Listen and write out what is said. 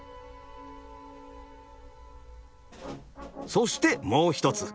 そしてもう一つ。